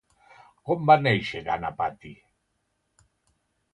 Com va néixer Ganapati?